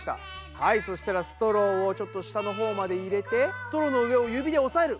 はいそしたらストローをちょっと下のほうまで入れてストローの上を指でおさえる。